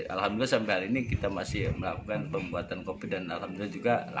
alhamdulillah sampai hari ini kita masih melakukan pembuatan kopi dan alhamdulillah juga